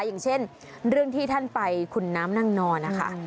อย่างเช่นเรื่องที่ท่านไปขุนน้ำนางนอนนะคะ